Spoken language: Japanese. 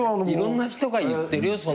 いろんな人が言ってるよ